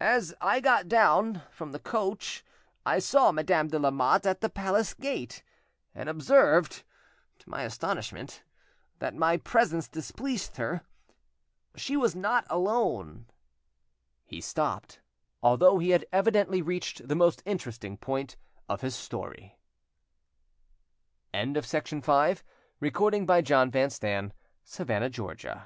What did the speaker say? As I got down from the coach I saw Madame de Lamotte at the palace gate, and observed, to my astonishment, that my presence displeased her. She was not alone." He stopped, although he had evidently reached the most interesting point of his story. "Go on," said the magistrate; "why do you stop now?" "Because wha